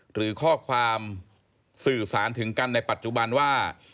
หรือข้อความสื่อสารถึงกันในปัจจุบันว่า